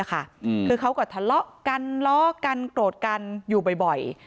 คือเขาก็ทะเลาะกันล้อกันโกรธกันอยู่บ่อย